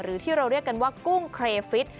หรือที่เราเรียกกันว่ากุ้งเครฟิต